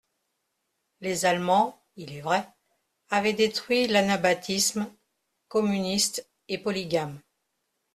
Les Allemands, il est vrai, avaient détruit l'anabaptisme (communiste et polygame).